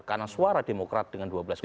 karena suara demokrat dengan dua belas kursi